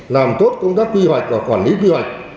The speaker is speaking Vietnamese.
làm tốt công tác kỳ hoạch và quản lý kỳ hoạch